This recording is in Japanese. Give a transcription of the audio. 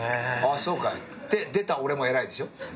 ああそうかいって出た俺も偉いでしょ？